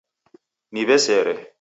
Niwesere